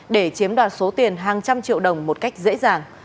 để chiếm đoạt số tiền hàng trăm triệu đồng một cách dễ dàng